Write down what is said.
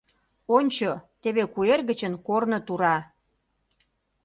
Ончо, теве куэр гычын корно тура!